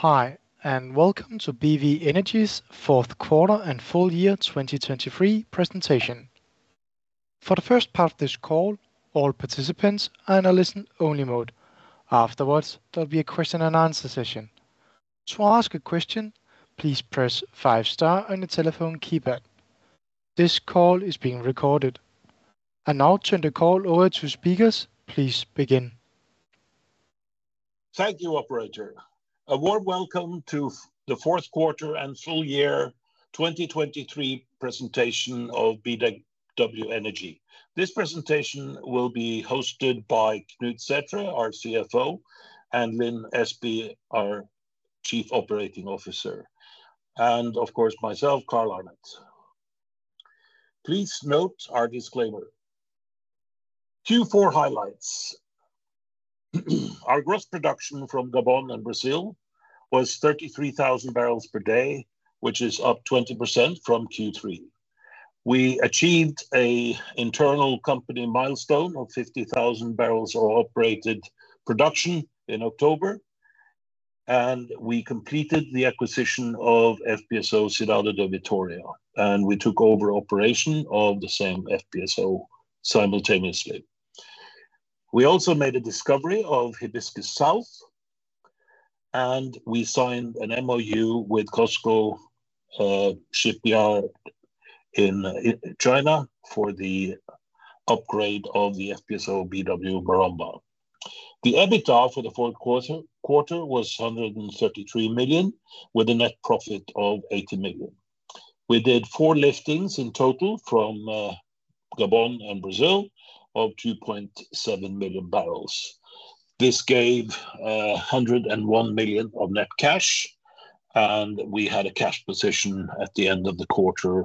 Hi and welcome to BW Energy's 4th quarter and full year 2023 presentation. For the first part of this call, all participants are in a listen-only mode. Afterwards there will be a question-and-answer session. To ask a question, please press 5-star on your telephone keypad. This call is being recorded. I now turn the call over to speakers. Please begin. Thank you, operator. A warm welcome to the fourth quarter and full year 2023 presentation of BW Energy. This presentation will be hosted by Knut Sæthre, our CFO, and Lin Espey, our Chief Operating Officer, and of course myself, Carl Arnet. Please note our disclaimer. Q4 highlights: our gross production from Gabon and Brazil was 33,000 barrels per day, which is up 20% from Q3. We achieved an internal company milestone of 50,000 barrels of operated production in October, and we completed the acquisition of FPSO Cidade de Vitória, and we took over operation of the same FPSO simultaneously. We also made a discovery of Hibiscus South, and we signed an MOU with COSCO Shipyard in China for the upgrade of the FPSO BW Maromba. The EBITDA for the fourth quarter was $133 million, with a net profit of $80 million. We did 4 liftings in total from Gabon and Brazil of 2.7 million barrels. This gave $101 million of net cash, and we had a cash position at the end of the quarter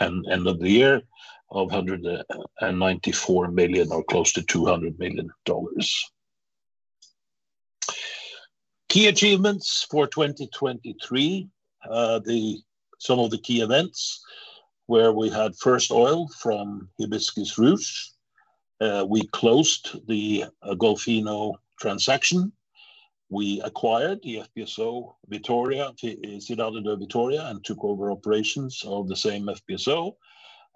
and end of the year of $194 million or close to $200 million. Key achievements for 2023: some of the key events where we had first oil from Hibiscus Ruche. We closed the Golfinho transaction. We acquired the FPSO Cidade de Vitória and took over operations of the same FPSO,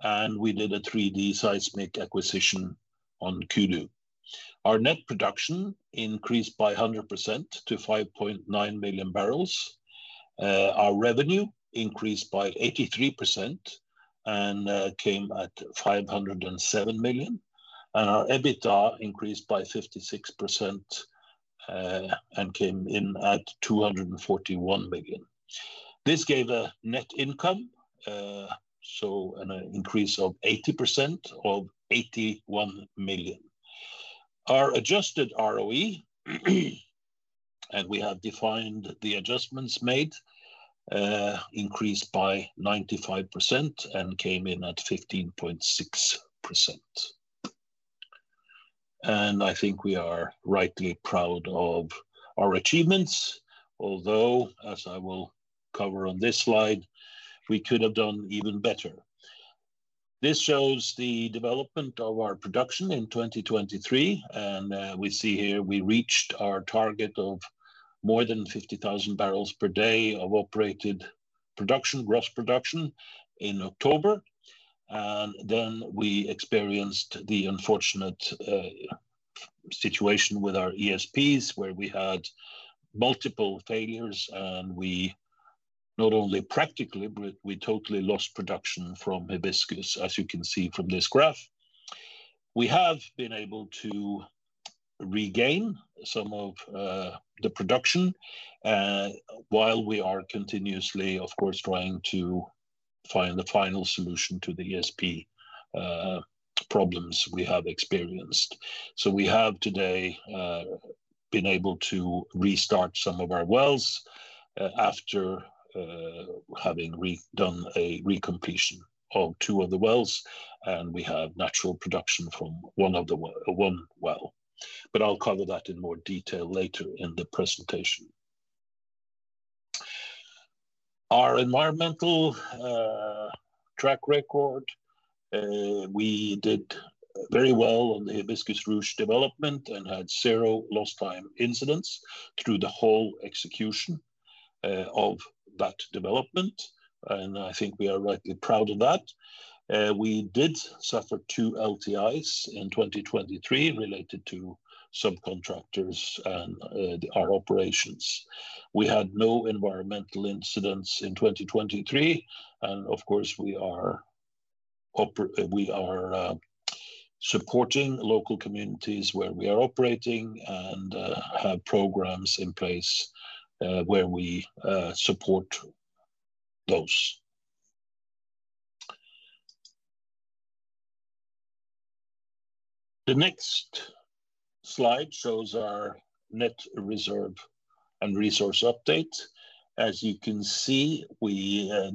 and we did a 3D seismic acquisition on Kudu. Our net production increased by 100% to 5.9 million barrels. Our revenue increased by 83% and came at $507 million, and our EBITDA increased by 56% and came in at $241 million. This gave a net income, so an increase of 80% of $81 million. Our adjusted ROE, and we have defined the adjustments made, increased by 95% and came in at 15.6%. I think we are rightly proud of our achievements, although, as I will cover on this slide, we could have done even better. This shows the development of our production in 2023, and we see here we reached our target of more than 50,000 barrels per day of operated production, gross production, in October. Then we experienced the unfortunate situation with our ESPs where we had multiple failures, and we not only practically but we totally lost production from Hibiscus, as you can see from this graph. We have been able to regain some of the production while we are continuously, of course, trying to find the final solution to the ESP problems we have experienced. We have today been able to restart some of our wells after having done a recompletion of two of the wells, and we have natural production from one well. I'll cover that in more detail later in the presentation. Our environmental track record: we did very well on the Hibiscus Rouge development and had zero lost-time incidents through the whole execution of that development, and I think we are rightly proud of that. We did suffer two LTIs in 2023 related to subcontractors and our operations. We had no environmental incidents in 2023, and of course we are supporting local communities where we are operating and have programs in place where we support those. The next slide shows our net reserve and resource update. As you can see,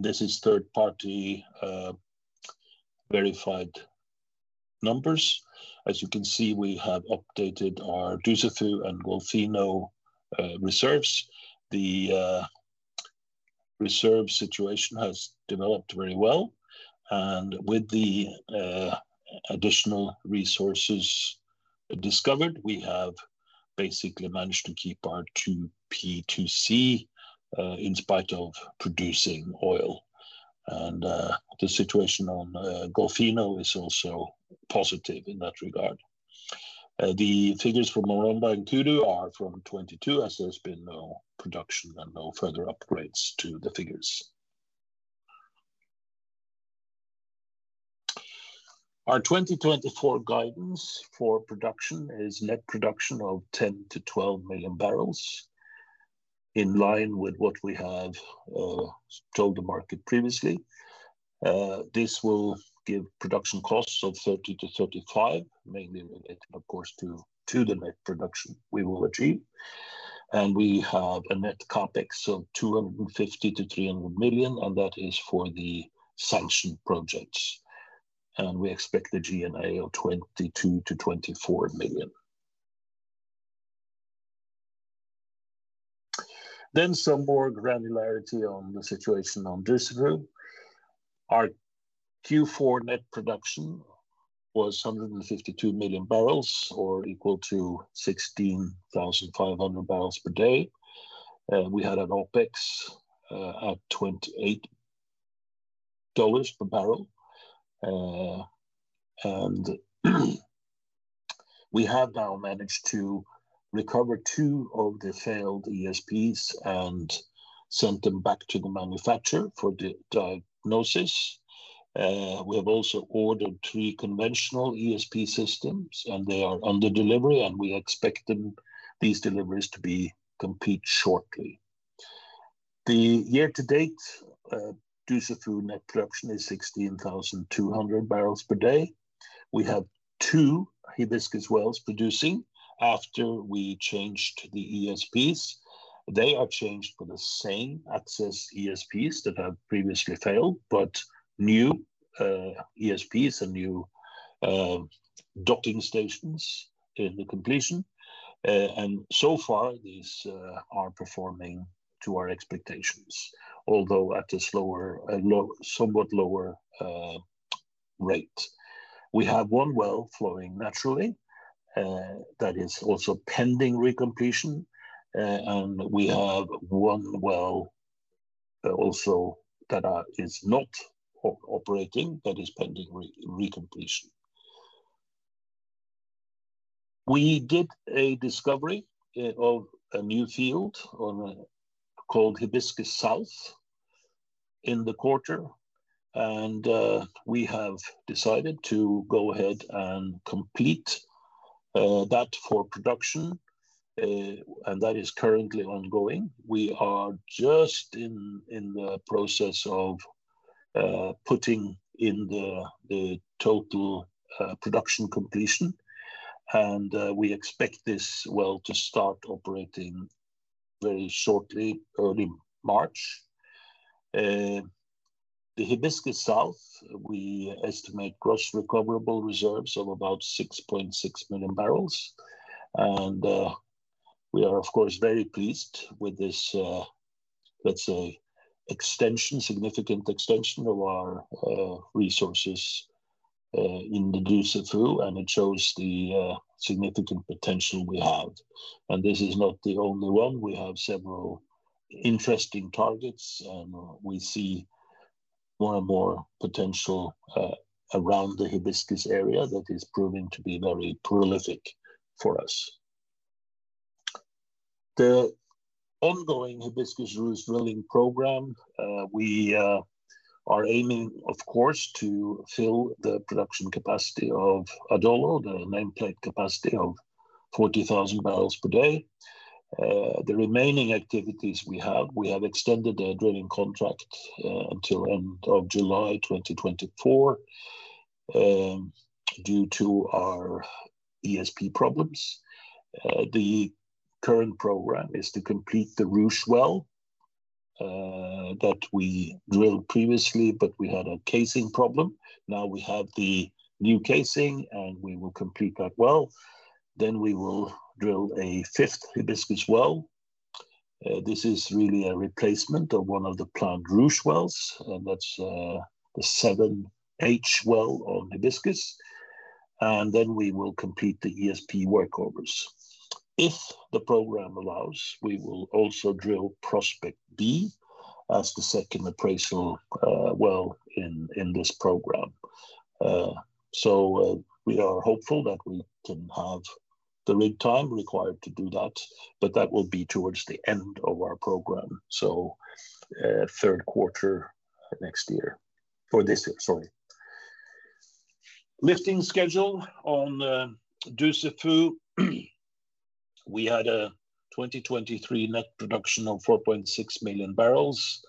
this is third-party verified numbers. As you can see, we have updated our Dussafu and Golfinho reserves. The reserve situation has developed very well, and with the additional resources discovered, we have basically managed to keep our 2P2C in spite of producing oil. The situation on Golfinho is also positive in that regard. The figures for Maromba and Kudu are from 2022, as there's been no production and no further upgrades to the figures. Our 2024 guidance for production is net production of 10-12 million barrels, in line with what we have told the market previously. This will give production costs of $30-$35, mainly related, of course, to the net production we will achieve. We have a net CAPEX of $250-$300 million, and that is for the sanctioned projects. We expect the G&A of $22-$24 million. Then some more granularity on the situation on Dussafu. Our Q4 net production was 152 million barrels or equal to 16,500 barrels per day. We had an OPEX at $28 per barrel, and we have now managed to recover two of the failed ESPs and sent them back to the manufacturer for diagnosis. We have also ordered three conventional ESP systems, and they are under delivery, and we expect these deliveries to complete shortly. The year-to-date Dussafu net production is 16,200 barrels per day. We have two Hibiscus wells producing after we changed the ESPs. They are changed for the same AccessESPs that have previously failed, but new ESPs and new docking stations in the completion. Far, these are performing to our expectations, although at a somewhat lower rate. We have one well flowing naturally that is also pending recompletion, and we have one well also that is not operating that is pending recompletion. We did a discovery of a new field called Hibiscus South in the quarter, and we have decided to go ahead and complete that for production, and that is currently ongoing. We are just in the process of putting in the total production completion, and we expect this well to start operating very shortly, early March. The Hibiscus South, we estimate gross recoverable reserves of about 6.6 million barrels, and we are, of course, very pleased with this, let's say, significant extension of our resources in the Dussafu, and it shows the significant potential we have. This is not the only one. We have several interesting targets, and we see more and more potential around the Hibiscus area that is proving to be very prolific for us. The ongoing Hibiscus Ruche drilling program, we are aiming, of course, to fill the production capacity of Adolo, the nameplate capacity of 40,000 barrels per day. The remaining activities we have, we have extended the drilling contract until the end of July 2024 due to our ESP problems. The current program is to complete the Ruche well that we drilled previously, but we had a casing problem. Now we have the new casing, and we will complete that well. Then we will drill a fifth Hibiscus well. This is really a replacement of one of the planned Ruche wells, and that's the 7H well on Hibiscus. Then we will complete the ESP work orders. If the program allows, we will also drill Prospect B as the second appraisal well in this program. We are hopeful that we can have the rig time required to do that, but that will be towards the end of our program, so third quarter next year for this year, sorry. Lifting schedule on Dussafu: we had a 2023 net production of 4.6 million barrels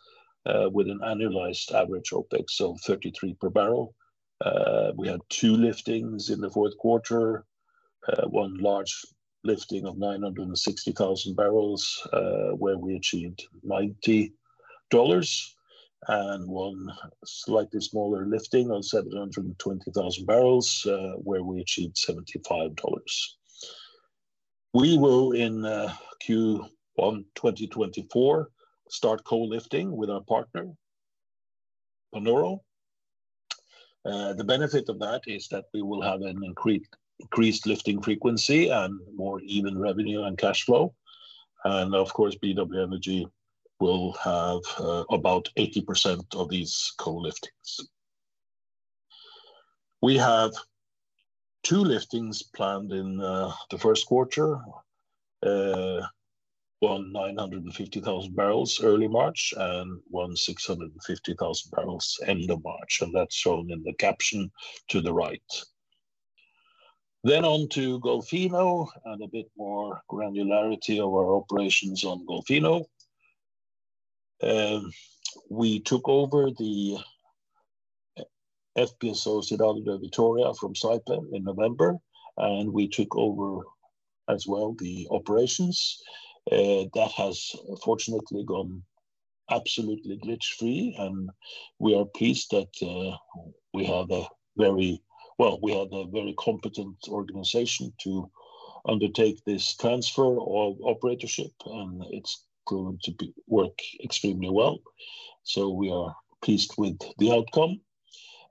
with an annualized average OPEX of $33 per barrel. We had two liftings in the fourth quarter, one large lifting of 960,000 barrels where we achieved $90, and one slightly smaller lifting of 720,000 barrels where we achieved $75. We will, in Q1 2024, start co-lifting with our partner, Panoro. The benefit of that is that we will have an increased lifting frequency and more even revenue and cash flow. Of course, BW Energy will have about 80% of these co-liftings. We have two liftings planned in the first quarter, one 950,000 barrels early March and one 650,000 barrels end of March, and that's shown in the caption to the right. Then on to Golfinho and a bit more granularity of our operations on Golfinho. We took over the FPSO Cidade de Vitória from Saipem in November, and we took over as well the operations. That has fortunately gone absolutely glitch-free, and we are pleased that we have a very competent organization to undertake this transfer of operatorship, and it's proven to work extremely well. We are pleased with the outcome,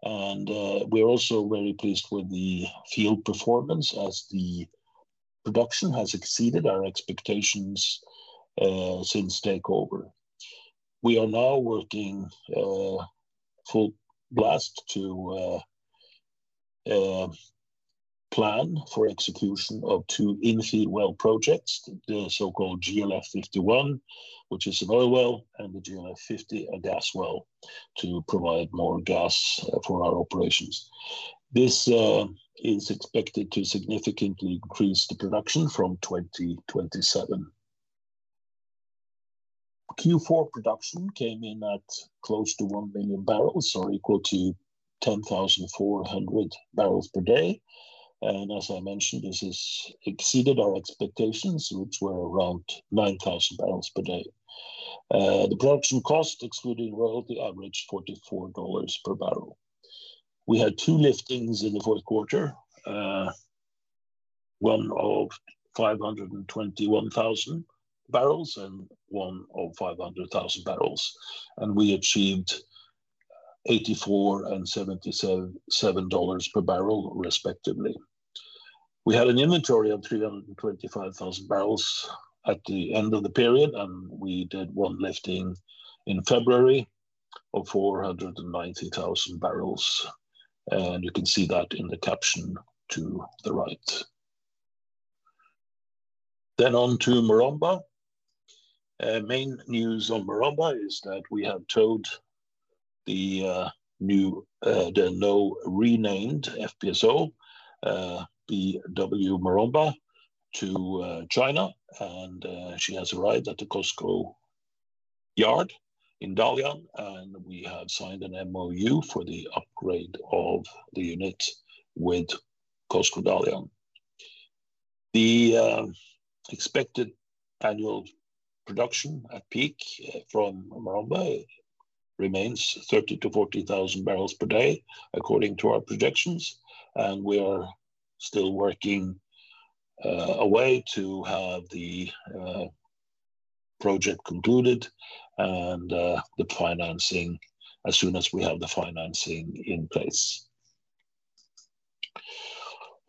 and we're also very pleased with the field performance as the production has exceeded our expectations since takeover. We are now working full blast to plan for execution of two in-field well projects, the so-called GLF-51, which is an oil well, and the GLF-50, a gas well, to provide more gas for our operations. This is expected to significantly increase the production from 2027. Q4 production came in at close to 1 million barrels or equal to 10,400 barrels per day. As I mentioned, this has exceeded our expectations, which were around 9,000 barrels per day. The production cost, excluding royalty, averaged $44 per barrel. We had two liftings in the fourth quarter, one of 521,000 barrels and one of 500,000 barrels, and we achieved $84 and $77 per barrel, respectively. We had an inventory of 325,000 barrels at the end of the period, and we did one lifting in February of 490,000 barrels, and you can see that in the caption to the right. Then on to Maromba. Main news on Maromba is that we have towed the now renamed FPSO BW Maromba to China, and she has arrived at the COSCO yard in Dalian, and we have signed an MOU for the upgrade of the unit with COSCO Dalian. The expected annual production at peak from Maromba remains 30,000-40,000 barrels per day, according to our projections, and we are still working away to have the project concluded and the financing as soon as we have the financing in place.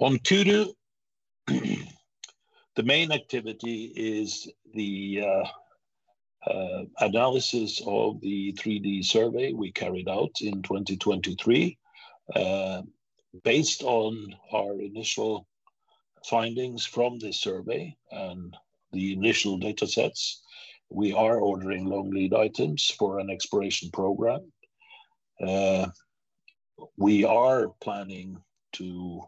On Kudu, the main activity is the analysis of the 3D survey we carried out in 2023. Based on our initial findings from this survey and the initial datasets, we are ordering long lead items for an exploration program. We are planning to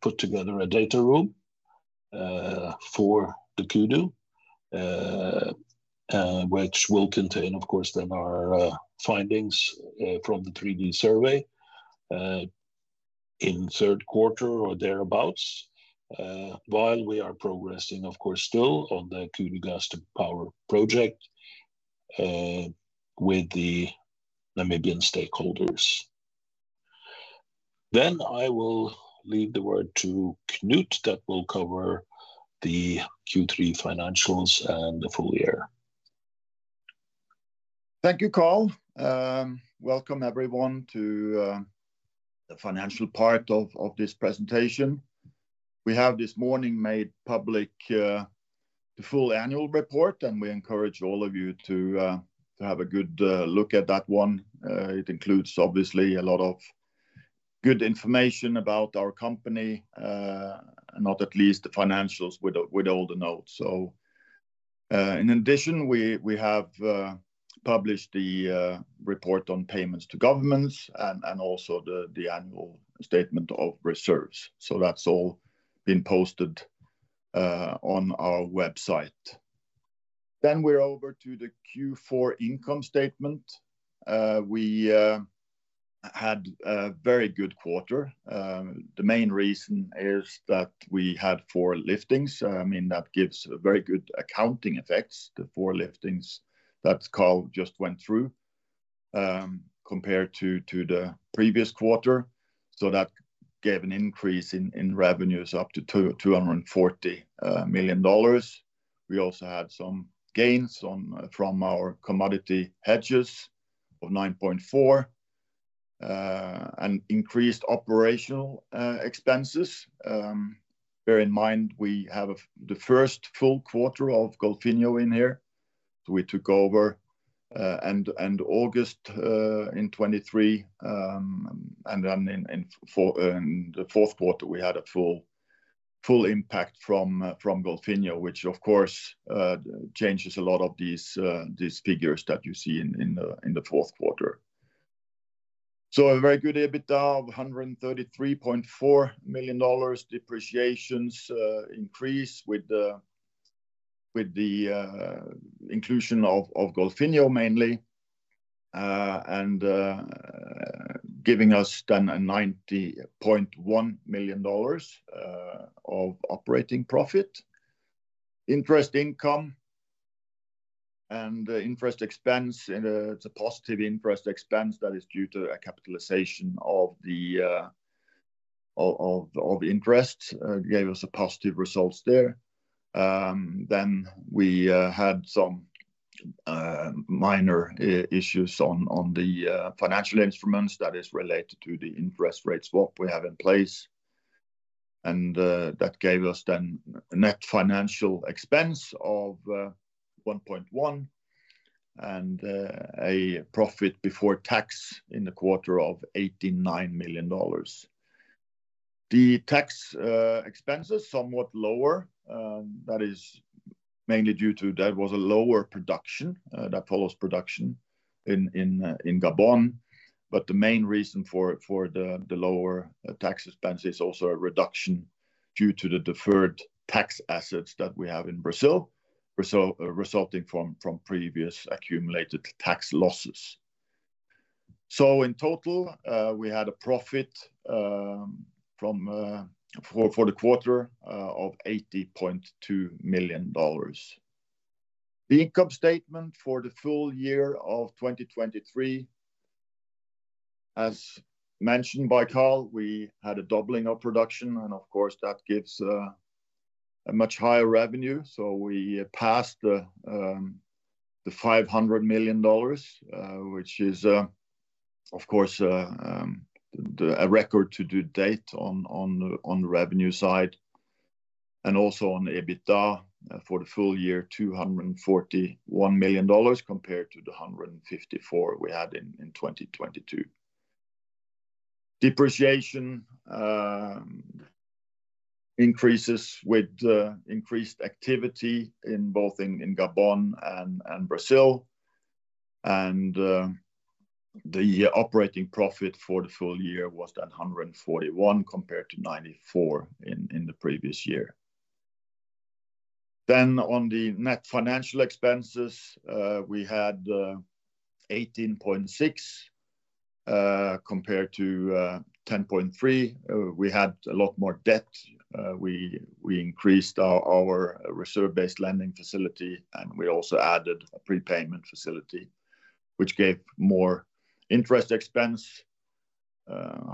put together a data room for the Kudu, which will contain, of course, then our findings from the 3D survey in third quarter or thereabouts, while we are progressing, of course, still on the Kudu gas-to-power project with the Namibian stakeholders. Then I will leave the word to Knut that will cover the Q3 financials and the full year. Thank you, Carl. Welcome, everyone, to the financial part of this presentation. We have this morning made public the full annual report, and we encourage all of you to have a good look at that one. It includes, obviously, a lot of good information about our company and not at least the financials with all the notes. In addition, we have published the report on payments to governments and also the annual statement of reserves. That's all been posted on our website. Then we're over to the Q4 income statement. We had a very good quarter. The main reason is that we had four liftings. I mean, that gives very good accounting effects. The four liftings that Carl just went through, compared to the previous quarter, so that gave an increase in revenues up to $240 million. We also had some gains from our commodity hedges of $9.4 million and increased operational expenses. Bear in mind, we have the first full quarter of Golfinho in here, so we took over in August 2023, and then in the fourth quarter, we had a full impact from Golfinho, which, of course, changes a lot of these figures that you see in the fourth quarter. A very good EBITDA of $133.4 million, depreciations increase with the inclusion of Golfinho mainly, and giving us then a $90.1 million of operating profit. Interest income and interest expense, it's a positive interest expense that is due to a capitalization of the interest, gave us positive results there. Then we had some minor issues on the financial instruments that is related to the interest rate swap we have in place, and that gave us then net financial expense of $1.1 million and a profit before tax in the quarter of $89 million. The tax expenses, somewhat lower, that is mainly due to there was a lower production that follows production in Gabon, but the main reason for the lower tax expense is also a reduction due to the deferred tax assets that we have in Brazil, resulting from previous accumulated tax losses. In total, we had a profit for the quarter of $80.2 million. The income statement for the full year of 2023, as mentioned by Carl, we had a doubling of production, and of course, that gives a much higher revenue. We passed the $500 million, which is, of course, a record to date on the revenue side and also on EBITDA for the full year, $241 million compared to the $154 million we had in 2022. Depreciation increases with increased activity in both Gabon and Brazil, and the operating profit for the full year was then $141 million compared to $94 million in the previous year. Then on the net financial expenses, we had $18.6 million compared to $10.3 million. We had a lot more debt. We increased our reserve-based lending facility, and we also added a prepayment facility, which gave more interest expense.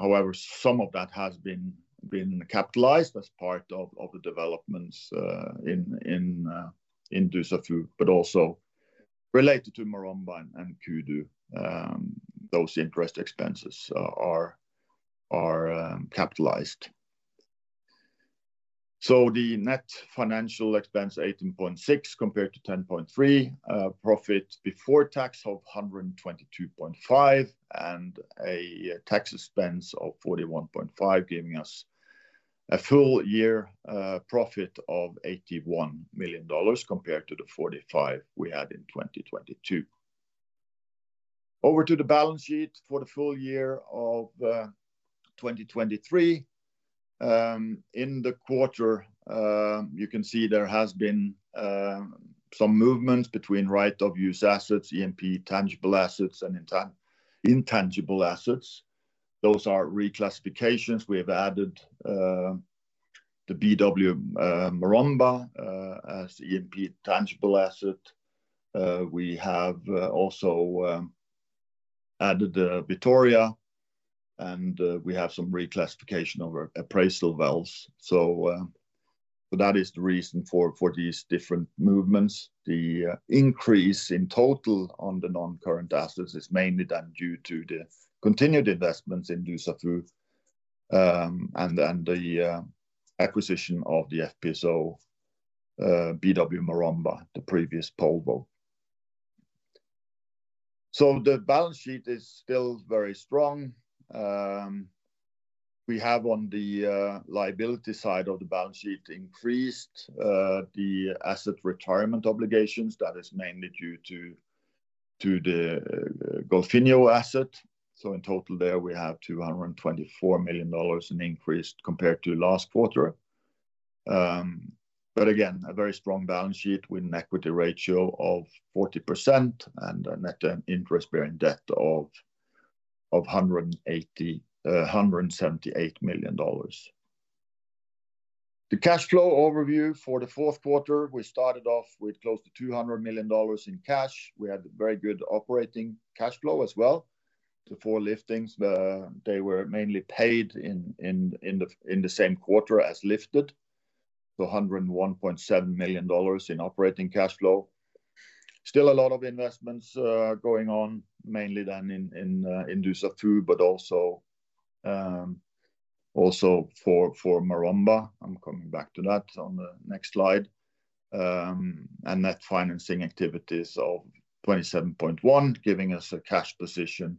However, some of that has been capitalized as part of the developments in Dussafu, but also related to Maromba and Kudu; those interest expenses are capitalized. The net financial expense, $18.6 million compared to $10.3 million, profit before tax of $122.5 million and a tax expense of $41.5 million, giving us a full year profit of $81 million compared to the $45 million we had in 2022. Over to the balance sheet for the full year of 2023. In the quarter, you can see there has been some movements between right-of-use assets, PP&E, tangible assets, and intangible assets. Those are reclassifications. We have added the BW Maromba as PP&E tangible asset. We have also added the Vitória, and we have some reclassification of appraisal wells. That is the reason for these different movements. The increase in total on the non-current assets is mainly then due to the continued investments in Dussafu and the acquisition of the FPSO BW Maromba, the previous Polvo. The balance sheet is still very strong. We have on the liability side of the balance sheet increased the asset retirement obligations. That is mainly due to the Golfinho asset. In total there, we have $224 million in increase compared to last quarter. Again, a very strong balance sheet with an equity ratio of 40% and a net interest-bearing debt of $178 million. The cash flow overview for the fourth quarter, we started off with close to $200 million in cash. We had a very good operating cash flow as well. The four liftings, they were mainly paid in the same quarter as lifted, so $101.7 million in operating cash flow. Still a lot of investments going on, mainly then in Dussafu, but also for Maromba. I'm coming back to that on the next slide. Net financing activities of $27.1 million, giving us a cash position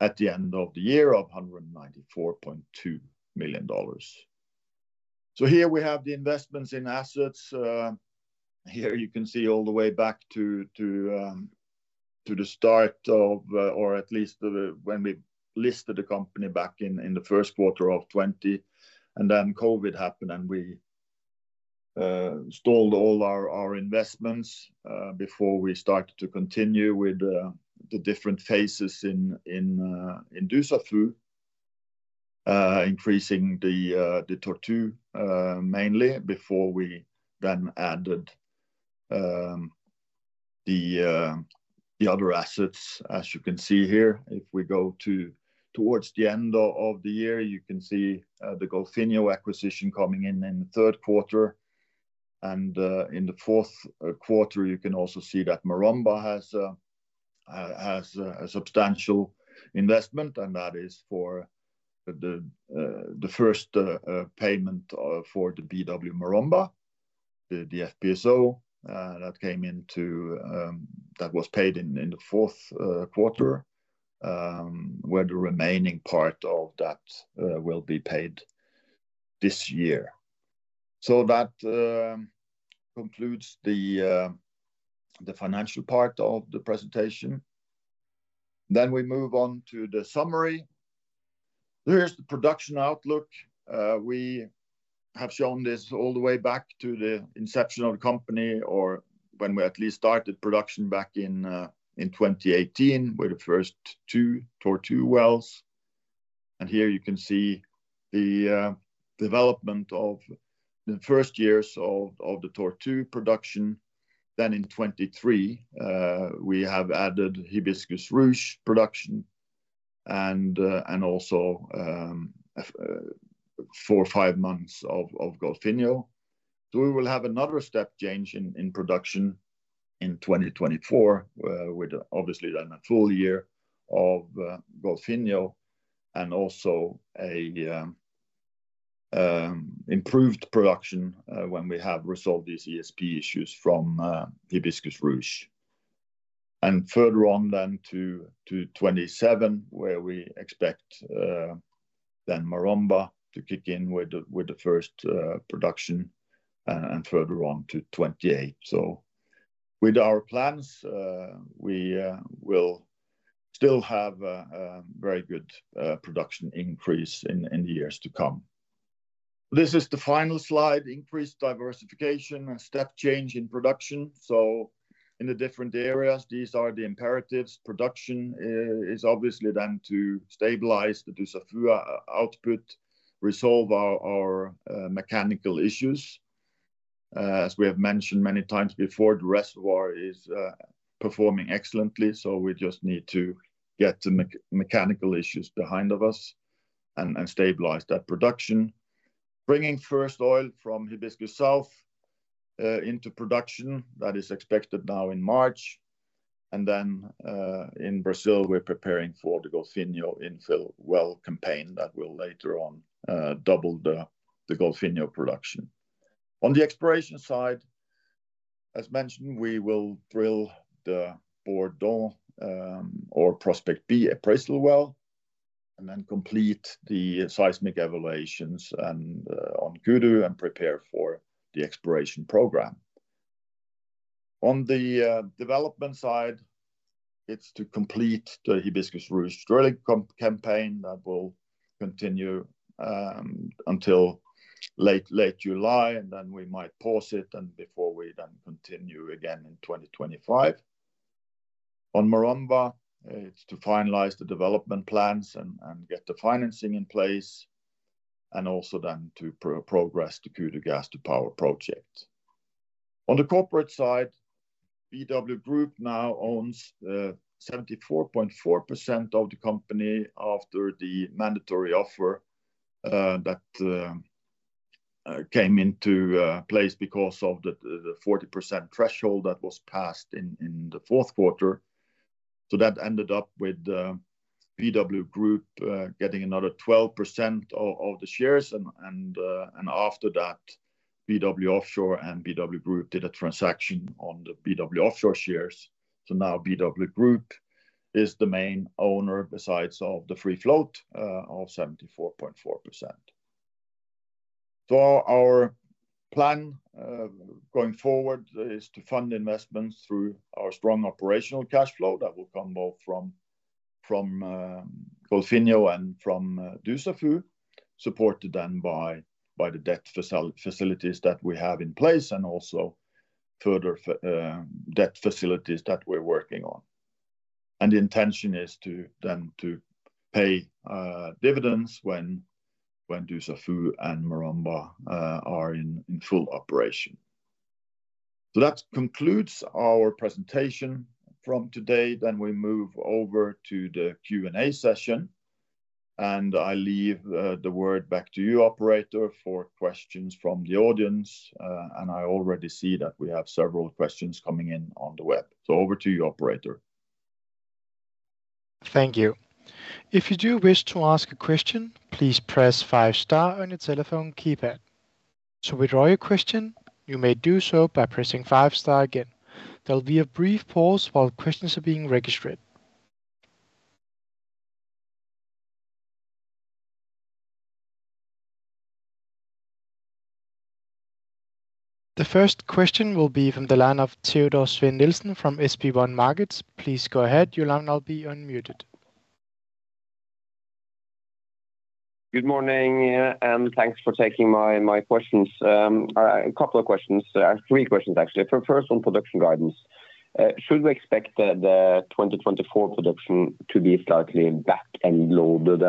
at the end of the year of $194.2 million. Here we have the investments in assets. Here you can see all the way back to the start of, or at least when we listed the company back in the first quarter of 2020, and then COVID happened and we stalled all our investments before we started to continue with the different phases in Dussafu, increasing the Tortue mainly before we then added the other assets. As you can see here, if we go towards the end of the year, you can see the Golfinho acquisition coming in in the third quarter. In the fourth quarter, you can also see that Maromba has a substantial investment, and that is for the first payment for the BW Maromba, the FPSO that came into, that was paid in the fourth quarter, where the remaining part of that will be paid this year. That concludes the financial part of the presentation. Then we move on to the summary. Here's the production outlook. We have shown this all the way back to the inception of the company or when we at least started production back in 2018 with the first 2 Tortue wells. Here you can see the development of the first years of the Tortue production. Then in 2023, we have added Hibiscus Rouge production and also 4 or 5 months of Golfinho. We will have another step change in production in 2024 with obviously then a full year of Golfinho and also an improved production when we have resolved these ESP issues from Hibiscus Rouge. Further on then to 2027, where we expect then Maromba to kick in with the first production and further on to 2028. With our plans, we will still have a very good production increase in the years to come. This is the final slide, increased diversification, step change in production. In the different areas, these are the imperatives. Production is obviously then to stabilize the Dussafu output, resolve our mechanical issues. As we have mentioned many times before, the reservoir is performing excellently, so we just need to get the mechanical issues behind of us and stabilize that production. Bringing first oil from Hibiscus South into production, that is expected now in March. Then in Brazil, we're preparing for the Golfinho infill well campaign that will later on double the Golfinho production. On the exploration side, as mentioned, we will drill the Bourdon Prospect B appraisal well and then complete the seismic evaluations on Kudu and prepare for the exploration program. On the development side, it's to complete the Hibiscus Rouge drilling campaign that will continue until late July, and then we might pause it before we then continue again in 2025. On Maromba, it's to finalize the development plans and get the financing in place and also then to progress the Kudu gas-to-power project. On the corporate side, BW Group now owns 74.4% of the company after the mandatory offer that came into place because of the 40% threshold that was passed in the fourth quarter. That ended up with BW Group getting another 12% of the shares, and after that, BW Offshore and BW Group did a transaction on the BW Offshore shares. Now BW Group is the main owner besides the free float of 74.4%. Our plan going forward is to fund investments through our strong operational cash flow that will come both from Golfinho and from Dussafu, supported then by the debt facilities that we have in place and also further debt facilities that we're working on. The intention is then to pay dividends when Dussafu and Maromba are in full operation. That concludes our presentation from today. Then we move over to the Q&A session, and I leave the word back to you, operator, for questions from the audience. I already see that we have several questions coming in on the web. So over to you, operator. Thank you. If you do wish to ask a question, please press five-star on your telephone keypad. To withdraw your question, you may do so by pressing five-star again. There'll be a brief pause while questions are being registered. The first question will be from the line of Teodor Nilsen from SB1 Markets. Please go ahead. Your line will be unmuted. Good morning, and thanks for taking my questions. A couple of questions. Three questions, actually. First on production guidance. Should we expect the 2024 production to be slightly back-end loaded?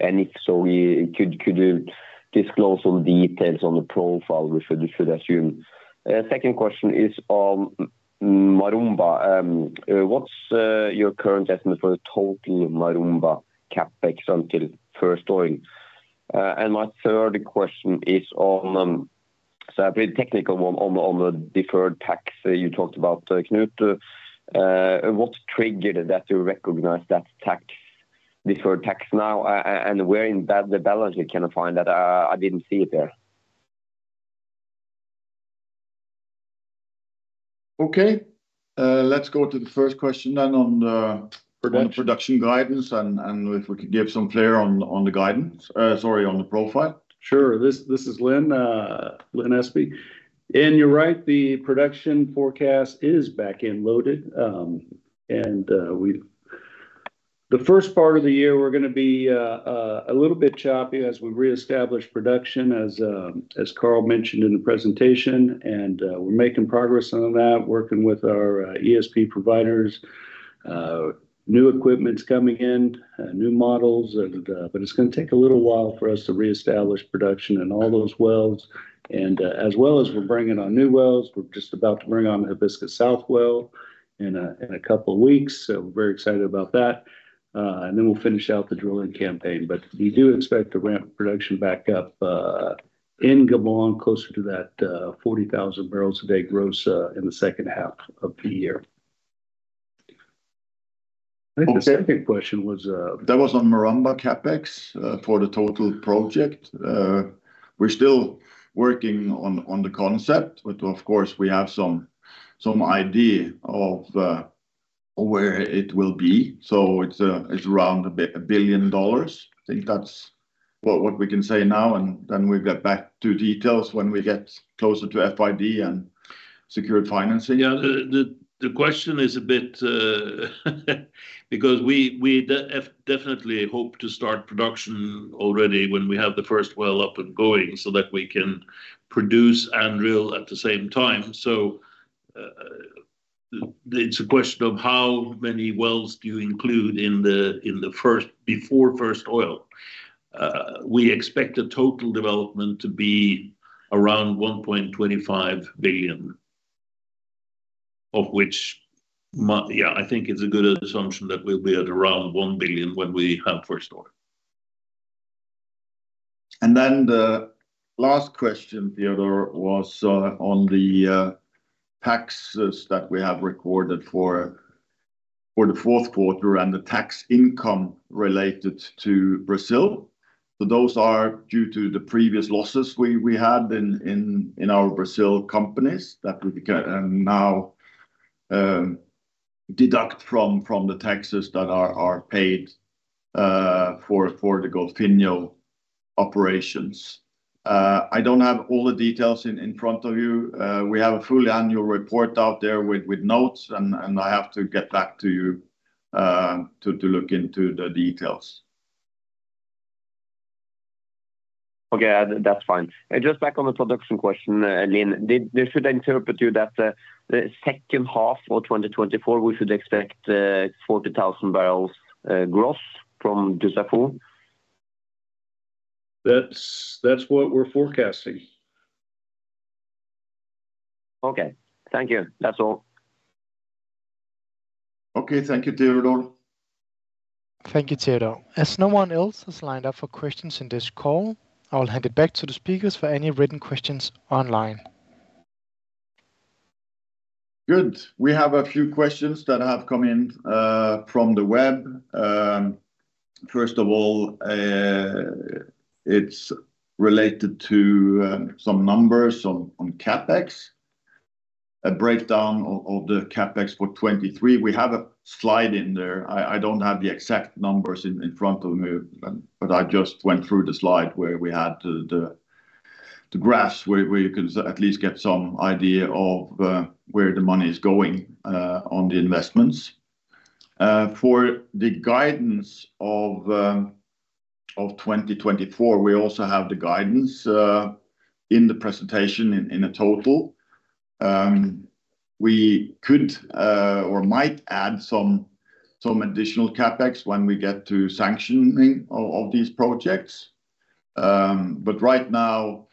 If so, could you disclose some details on the profile we should assume? Second question is on Maromba. What's your current estimate for the total Maromba CAPEX until first oil? My third question is on, so a pretty technical one, on the deferred tax you talked about, Knut. What triggered that you recognize that deferred tax now? Where in the balance sheet can I find that? I didn't see it there. Okay. Let's go to the first question then on the production guidance and if we could give some flair on the guidance, sorry, on the profile. Sure. This is Lin, Lin Espey. You're right, the production forecast is back-end loaded. The first part of the year, we're going to be a little bit choppy as we reestablish production, as Carl mentioned in the presentation. We're making progress on that, working with our ESP providers, new equipment's coming in, new models. It's going to take a little while for us to reestablish production in all those wells. As well as we're bringing on new wells, we're just about to bring on the Hibiscus South well in a couple of weeks. We're very excited about that. Then we'll finish out the drilling campaign. We do expect to ramp production back up in Gabon closer to that 40,000 barrels a day gross in the second half of the year. I think the second question was. That was on Maromba CAPEX for the total project. We're still working on the concept, but of course, we have some idea of where it will be. It's around $1 billion. I think that's what we can say now. Then we'll get back to details when we get closer to FID and secured financing. Yeah. The question is a bit because we definitely hope to start production already when we have the first well up and going so that we can produce and drill at the same time. It's a question of how many wells do you include in the before first oil. We expect the total development to be around $1.25 billion, of which, yeah, I think it's a good assumption that we'll be at around $1 billion when we have first oil. Then the last question, Theodor, was on the taxes that we have recorded for the fourth quarter and the tax income related to Brazil. Those are due to the previous losses we had in our Brazil companies that we can now deduct from the taxes that are paid for the Golfinho operations. I don't have all the details in front of you. We have a full annual report out there with notes, and I have to get back to you to look into the details. Okay. That's fine. Just back on the production question, Lin, should I interpret you that the second half of 2024, we should expect 40,000 barrels gross from Dussafu? That's what we're forecasting. Okay. Thank you. That's all. Okay. Thank you, Theodor. Thank you, Theodor. As no one else has lined up for questions in this call, I'll hand it back to the speakers for any written questions online. Good. We have a few questions that have come in from the web. First of all, it's related to some numbers on CAPEX, a breakdown of the CAPEX for 2023. We have a slide in there. I don't have the exact numbers in front of me, but I just went through the slide where we had the graphs where you can at least get some idea of where the money is going on the investments. For the guidance of 2024, we also have the guidance in the presentation in a total. We could or might add some additional CAPEX when we get to sanctioning of these projects. Right now,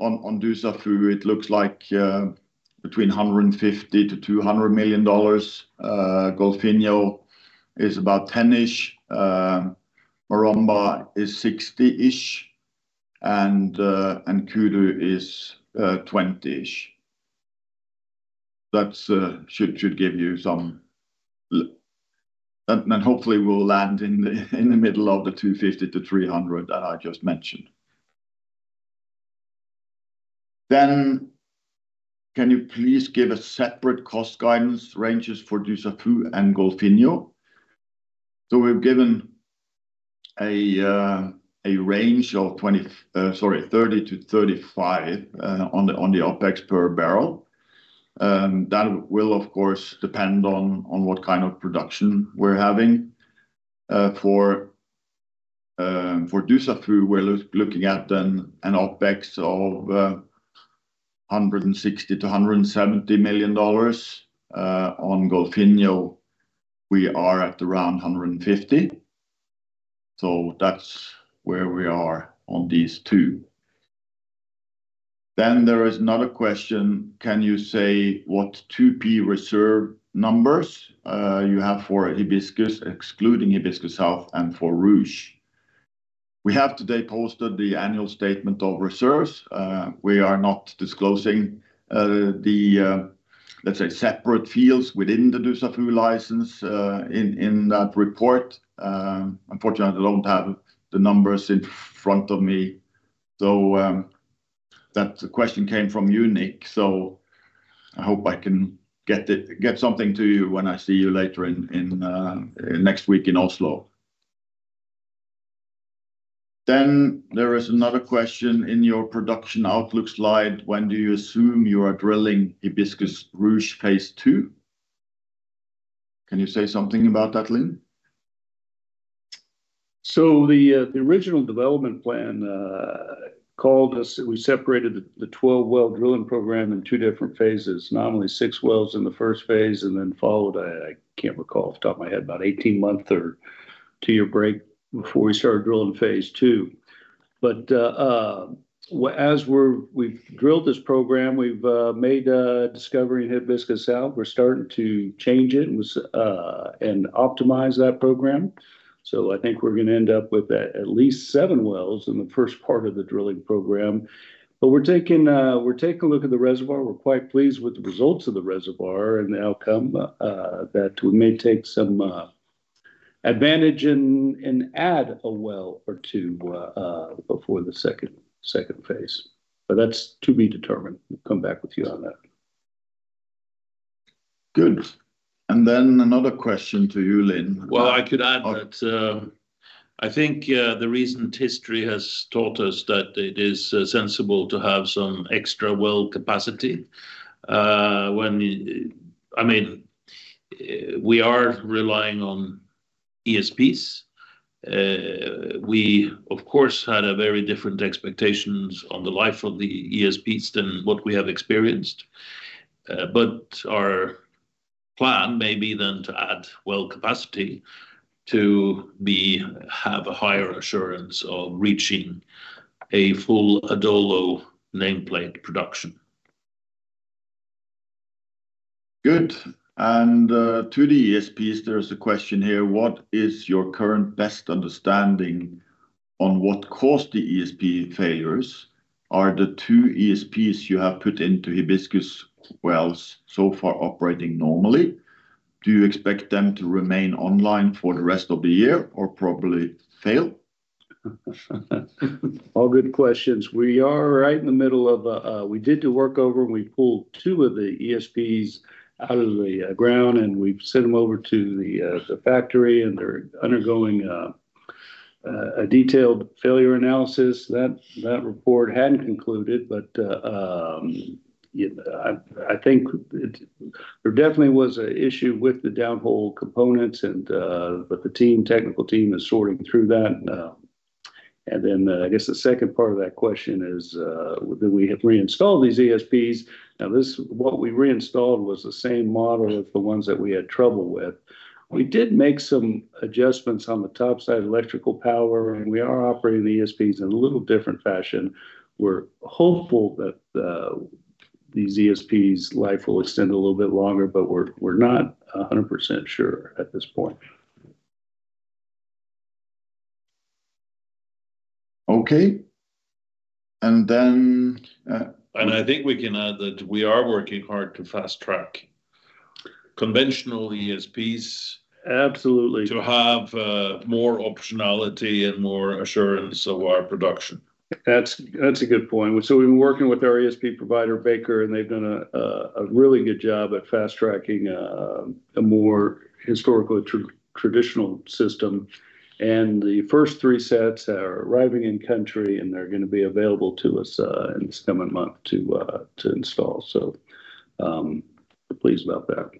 on Dussafu, it looks like between $150 million-$200 million. Golfinho is about $10 million-ish. Maromba is $60 million-ish, and Kudu is $20 million-ish. That should give you some—and then hopefully, we'll land in the middle of the 250-300 that I just mentioned. Then can you please give a separate cost guidance ranges for Dussafu and Golfinho? So we've given a range of—sorry—$30-$35 on the OPEX per barrel. That will, of course, depend on what kind of production we're having. For Dussafu, we're looking at an OPEX of $160 million-$170 million. On Golfinho, we are at around $150 million. That's where we are on these two. Then there is another question: can you say what 2P reserve numbers you have for Hibiscus, excluding Hibiscus South, and for Ruche? We have today posted the annual statement of reserves. We are not disclosing the, let's say, separate fields within the Dussafu license in that report. Unfortunately, I don't have the numbers in front of me. That question came from Uncertain. I hope I can get something to you when I see you later next week in Oslo. There is another question in your production outlook slide: when do you assume you are drilling Hibiscus Rouge phase two? Can you say something about that, Lin? The original development plan called us—we separated the 12-well drilling program in two different phases, nominally 6 wells in the first phase and then followed—I can't recall off the top of my head—about 18-month or 2-year break before we started drilling phase 2. As we've drilled this program, we've made discovery in Hibiscus South. We're starting to change it and optimize that program. I think we're going to end up with at least 7 wells in the first part of the drilling program. We're taking a look at the reservoir. We're quite pleased with the results of the reservoir and the outcome. We may take some advantage and add a well or 2 before the second phase. That's to be determined. We'll come back with you on that. Good. Then another question to you, Lin. Well, I could add that I think the recent history has taught us that it is sensible to have some extra well capacity. I mean, we are relying on ESPs. We, of course, had very different expectations on the life of the ESPs than what we have experienced. Our plan may be then to add well capacity to have a higher assurance of reaching a full Adolo nameplate production. Good. To the ESPs, there is a question here: What is your current best understanding on what caused the ESP failures? Are the two ESPs you have put into Hibiscus wells so far operating normally? Do you expect them to remain online for the rest of the year or probably fail? All good questions. We are right in the middle of—we did the workover. We pulled 2 of the ESPs out of the ground, and we've sent them over to the factory, and they're undergoing a detailed failure analysis. That report hadn't concluded, but I think there definitely was an issue with the down-hole components, but the technical team is sorting through that. Then I guess the second part of that question is: did we reinstall these ESPs? Now, what we reinstalled was the same model as the ones that we had trouble with. We did make some adjustments on the top side of electrical power, and we are operating the ESPs in a little different fashion. We're hopeful that these ESPs' life will extend a little bit longer, but we're not 100% sure at this point. Okay. Then. I think we can add that we are working hard to fast-track conventional ESPs. Absolutely. To have more optionality and more assurance of our production. That's a good point. We've been working with our ESP provider, Baker, and they've done a really good job at fast-tracking a more historically traditional system. The first three sets are arriving in country, and they're going to be available to us in this coming month to install. We're pleased about that.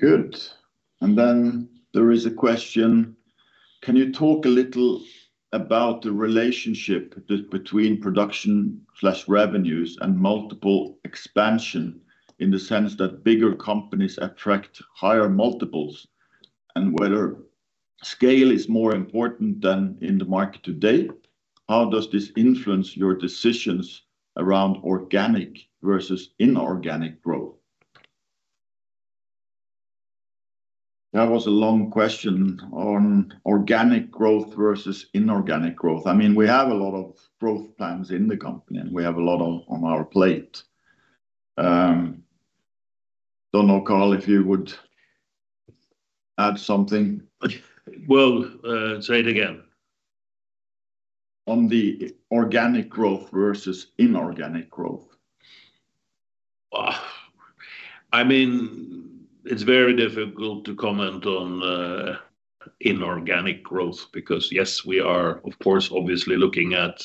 Good. Then there is a question: Can you talk a little about the relationship between production/revenues and multiple expansion in the sense that bigger companies attract higher multiples and whether scale is more important than in the market today? How does this influence your decisions around organic versus inorganic growth? That was a long question on organic growth versus inorganic growth. I mean, we have a lot of growth plans in the company, and we have a lot on our plate. Don't know, Carl, if you would add something? Well, say it again. On the organic growth versus inorganic growth. I mean, it's very difficult to comment on inorganic growth because, yes, we are, of course, obviously looking at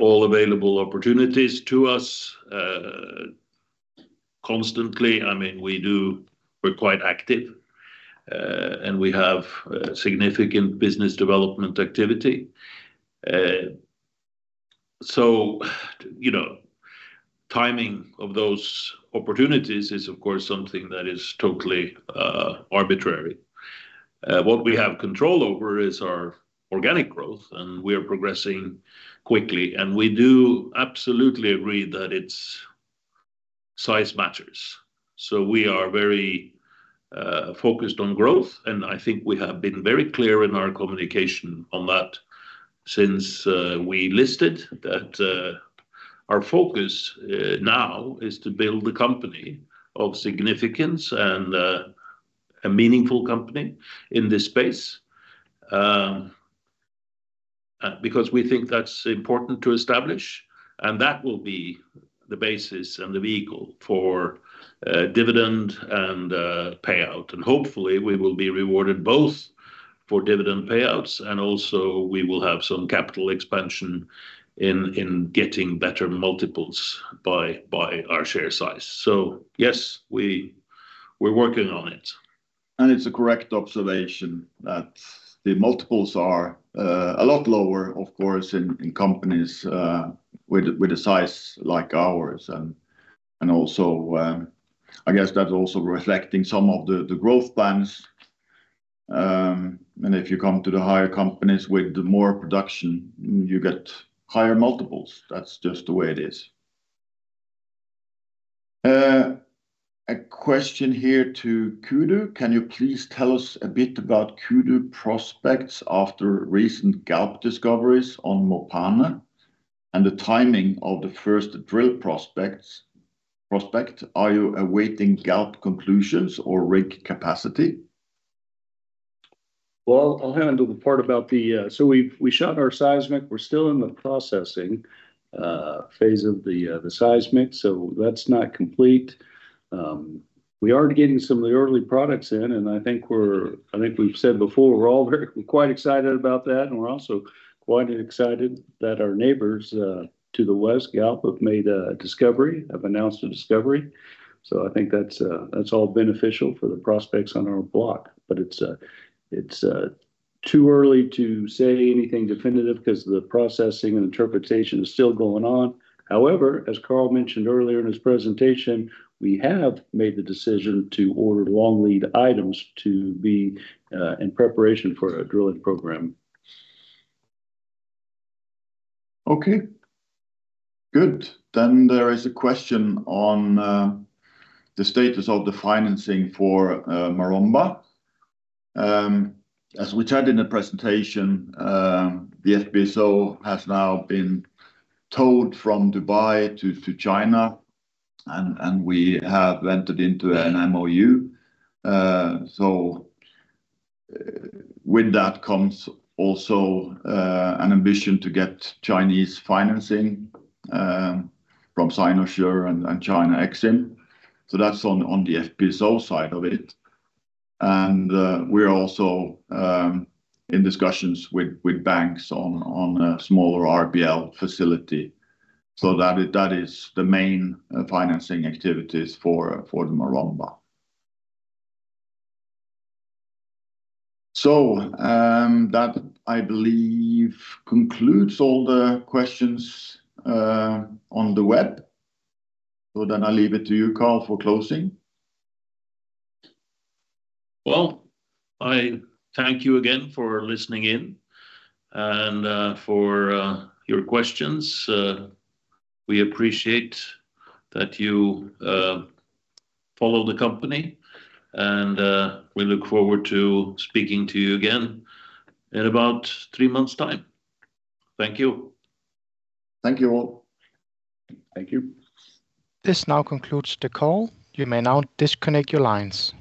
all available opportunities to us constantly. I mean, we're quite active, and we have significant business development activity. Timing of those opportunities is, of course, something that is totally arbitrary. What we have control over is our organic growth, and we are progressing quickly. We do absolutely agree that size matters. We are very focused on growth, and I think we have been very clear in our communication on that since we listed that our focus now is to build a company of significance and a meaningful company in this space because we think that's important to establish. That will be the basis and the vehicle for dividend and payout. Hopefully, we will be rewarded both for dividend payouts, and also we will have some capital expansion in getting better multiples by our share size. Yes, we're working on it. It's a correct observation that the multiples are a lot lower, of course, in companies with a size like ours. I guess that's also reflecting some of the growth plans. If you come to the higher companies with the more production, you get higher multiples. That's just the way it is. A question here to Kudu: can you please tell us a bit about Kudu prospects after recent Galp discoveries on Mopane and the timing of the first drill prospect? Are you awaiting Galp conclusions or rig capacity? Well, I'll handle the part about the seismic. We shot our seismic. We're still in the processing phase of the seismic, so that's not complete. We are getting some of the early products in, and I think we've said before we're all quite excited about that, and we're also quite excited that our neighbors to the west, Galp, have made a discovery, have announced a discovery. I think that's all beneficial for the prospects on our block. It's too early to say anything definitive because the processing and interpretation is still going on. However, as Carl mentioned earlier in his presentation, we have made the decision to order long lead items to be in preparation for a drilling program. Okay. Good. Then there is a question on the status of the financing for Maromba. As we chatted in the presentation, the FPSO has now been towed from Dubai to China, and we have entered into an MOU. With that comes also an ambition to get Chinese financing from Sinosure and China Exim. That's on the FPSO side of it. We are also in discussions with banks on a smaller RBL facility. That is the main financing activities for the Maromba. That, I believe, concludes all the questions on the web. Then I leave it to you, Carl, for closing. Well, I thank you again for listening in and for your questions. We appreciate that you follow the company, and we look forward to speaking to you again in about three months' time. Thank you. Thank you all. Thank you. This now concludes the call. You may now disconnect your lines.